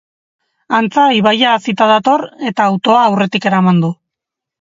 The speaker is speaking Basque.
Antza, ibaia hazita dator, eta autoa aurretik eraman du.